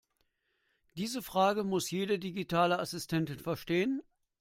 Diese Frage muss jede digitale Assistentin verstehen.